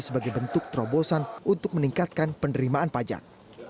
sebagai bentuk terobosan untuk meningkatkan penerimaan pajak